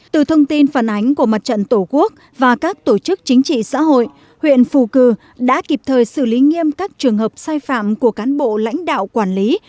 từ thông tin phản ánh của mặt trận tổ quốc và các tổ chức chính trị xã hội huyện phù cử đã kịp thời xử lý nghiêm các trường hợp sai phạm của cán bộ lãnh đạo quản lý